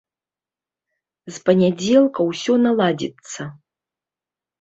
З панядзелка ўсё наладзіцца.